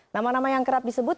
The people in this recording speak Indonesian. nama nama yang kerap disebut